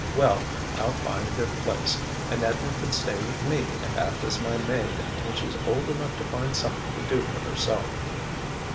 "Well, I'll find a good place, and Edna can stay with me and act as my maid until she's old enough to find something to do for herself."